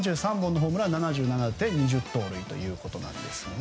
３３本のホームラン、７７打点２０盗塁ということです。